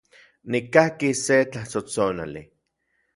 Nikkakis se tlatsotsonali